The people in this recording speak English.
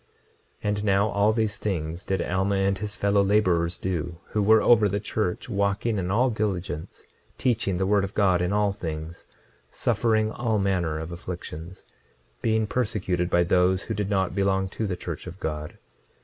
26:38 And now all these things did Alma and his fellow laborers do who were over the church, walking in all diligence, teaching the word of God in all things, suffering all manner of afflictions, being persecuted by all those who did not belong to the church of God.